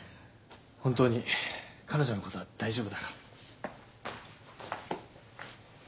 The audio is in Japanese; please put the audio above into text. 本当に彼女のことは大丈夫だから。